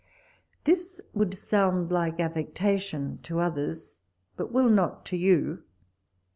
This would sound like affectation to others, but will not to you.